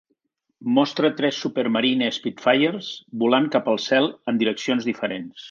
Mostra tres Supermarine Spitfires volant cap al cel en direccions diferents.